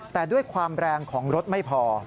แต่ด้วยความแรงของรถไม่พอ